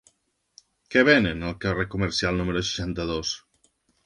Què venen al carrer Comercial número seixanta-dos?